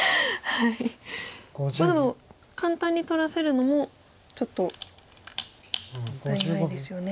でも簡単に取らせるのもちょっともったいないですよね。